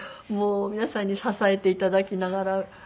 もう皆さんに支えて頂きながら。